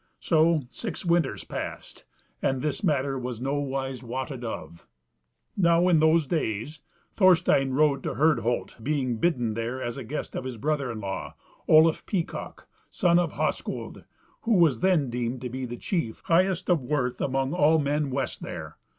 So six winters passed, and this matter was nowise wotted of. Now in those days Thorstein rode to Herdholt, being bidden there as guest of his brother in law, Olaf Peacock, the son of Hoskuld, who was then deemed to be the chief highest of worth among all men west there.